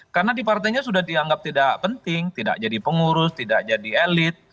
karena di partainya sudah dianggap tidak penting tidak jadi pengurus tidak jadi elit